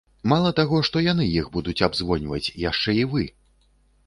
Мала таго, што яны іх будуць абзвоньваць, яшчэ і вы.